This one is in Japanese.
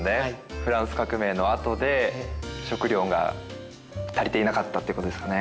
フランス革命のあとで食料が足りていなかったということですかね？